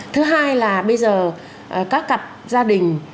thứ hai là bây giờ các cặp gia đình